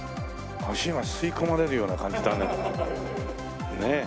足が吸い込まれるような感じだね。